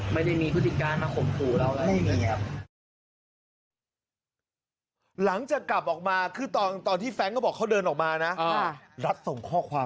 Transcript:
ไม่ได้มีกฤติการนะ